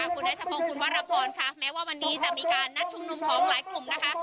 คุณรัชพงศ์คุณวรพรค่ะแม้ว่าวันนี้จะมีการนัดชุมนุมของหลายกลุ่มนะคะ